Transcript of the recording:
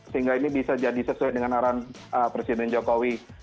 sehingga ini bisa jadi sesuai dengan arahan presiden jokowi